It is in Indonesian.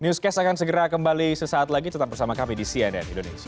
newscast akan segera kembali sesaat lagi tetap bersama kami di cnn indonesia